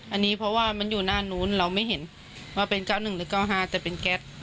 อันนี้เพราะว่ามันอยู่หน้านู้นเราไม่เห็นว่าเป็น๙๑หรือ๙๕แต่เป็นแก๊ส